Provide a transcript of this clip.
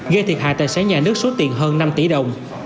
gây thiệt hại tài sản nhà nước số tiền hơn năm tỷ đồng